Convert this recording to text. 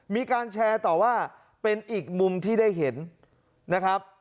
มีการแชร์ต่อว่าเป็นอีกมุมที่ได้เห็นนะครับ